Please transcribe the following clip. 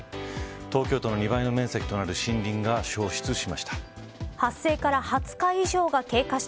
東京都の２倍の面積となる森林が焼失しました。